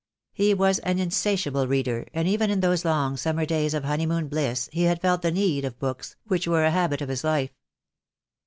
" He was an insatiable reader, and even in those long summer days of honeymoon bliss he had felt the need of books, which were a habit of his life.